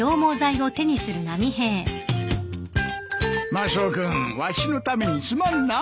マスオ君わしのためにすまんな。